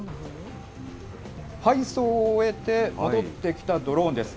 配送を終えて、戻ってきたドローンです。